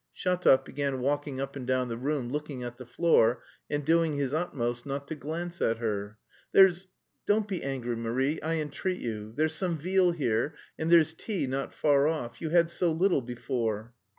Shatov began walking up and down the room, looking at the floor, and doing his utmost not to glance at her. "There's don't be angry, Marie, I entreat you there's some veal here, and there's tea not far off.... You had so little before."